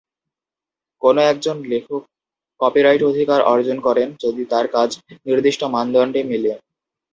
কোন একজন লেখক কপিরাইট অধিকার অর্জন করেন যদি তাদের কাজ নির্দিষ্ট মানদণ্ডে মেলে।